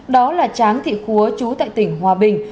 đó là tráng thị khúa trú tại tỉnh hòa bình